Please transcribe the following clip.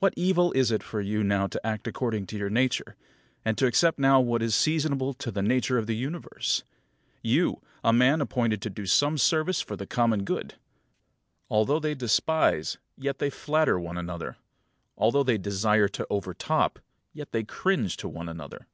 What evil is it for you now to act according to your nature, and to accept now what is seasonable to the nature of the Universe; you, a man appointed to do some service for the common good? 14. Although they despise, yet they flatter one another. Although they desire to overtop, yet they cringe to one another.